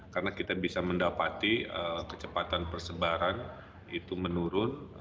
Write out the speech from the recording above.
karena kita bisa mendapati kecepatan persebaran itu menurun